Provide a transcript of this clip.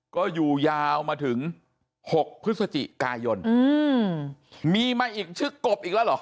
ก็อยู่ยาวมาถึง๖พฤศจิกายนมีมาอีกชื่อกบอีกแล้วเหรอ